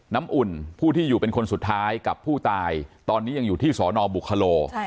น้ำอุ่นผู้ที่อยู่เป็นคนสุดท้ายกับผู้ตายตอนนี้ยังอยู่ที่สอนอบุคโล